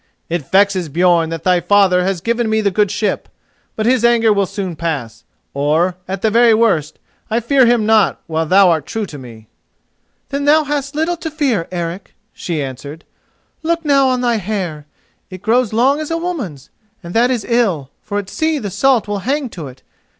It vexes Björn that thy father has given me the good ship: but his anger will soon pass, or, at the very worst, I fear him not while thou art true to me." "Then thou hast little to fear, Eric," she answered. "Look now on thy hair: it grows long as a woman's, and that is ill, for at sea the salt will hang to it.